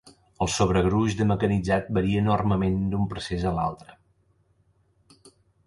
El sobregruix de mecanitzat varia enormement d'un procès a l'altre.